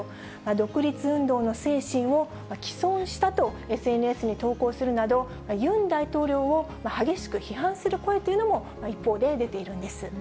独立運動の精神を毀損したとＳＮＳに投稿するなど、ユン大統領を激しく批判する声というのも一方で出ているんです。